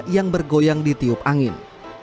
yang bergoyang di tiup angin